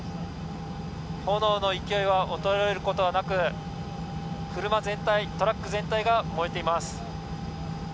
炎の勢いは衰えることなく車全体、トラック全体が燃えています。